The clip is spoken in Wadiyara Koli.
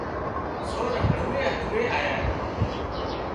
سور هۯوئي هۯوئي آيا